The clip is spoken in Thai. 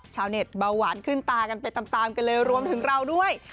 ชาวเน็ตเบาหวานขึ้นตากันไปตามกันเลยรวมถึงเราด้วย